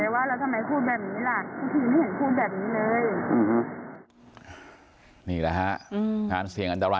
เหมือนกับทุกครั้งกลับบ้านมาอย่างปลอดภัย